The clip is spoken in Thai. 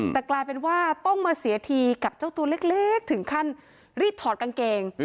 แต่กลายเป็นว่าต้องมาเสียทีกับเจ้าตัวเล็กถึงขั้นรีบถอดกางเกง